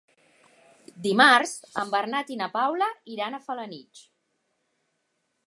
Dimarts en Bernat i na Paula iran a Felanitx.